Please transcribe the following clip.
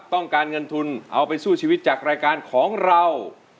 ต้องการเงินทุนเอาไปสู้ชีวิตจากรายการของเรา